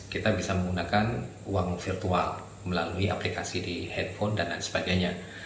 kita bisa menggunakan uang virtual melalui aplikasi di handphone dan lain sebagainya